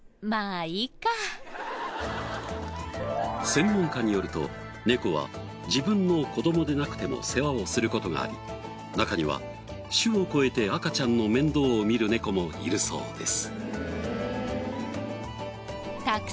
専門家によると猫は自分の子供でなくても世話をする事があり中には種を超えて赤ちゃんの面倒を見る猫もいるそうです。